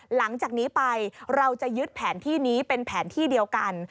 หลังจากนี้ไปเราจะยึดแผนที่นี้เป็นแผนที่เดียวกัน